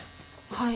はい。